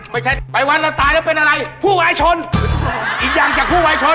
ไม่ใช่ไปวันเราตายแล้วเป็นอะไรผู้วายชนอีกอย่างจากผู้วายชน